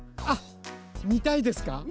あっみたいですか？